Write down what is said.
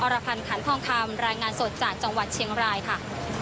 รพันธ์ขันทองคำรายงานสดจากจังหวัดเชียงรายค่ะ